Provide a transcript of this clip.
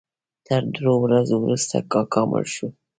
تر درو ورځو وروسته کاکا مړ شو.